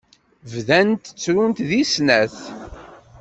Bdant ttrunt deg snat.